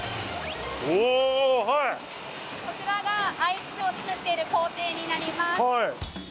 こちらが、アイスを作っている工程になります。